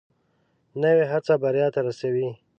نوې هڅه بریا ته رسوي